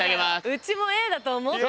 うちもＡだと思った。